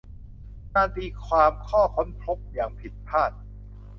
การตีความข้อค้นพบอย่างผิดพลาด